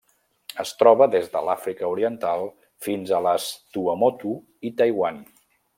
Es troba des de l'Àfrica Oriental fins a les Tuamotu i Taiwan.